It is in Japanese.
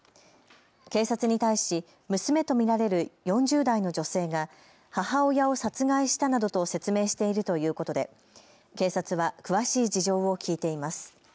警察に対し娘と見られる４０代の女性が母親を殺害したなどと説明しているということで警察は詳しい事情を聞いています。